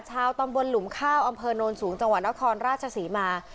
ชาวตำบลหลุมข้าวอำเภอโนนสูงจังหวัดนครราชศรีมา